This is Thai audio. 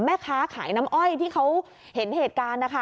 แม่ค้าขายน้ำอ้อยที่เขาเห็นเหตุการณ์นะคะ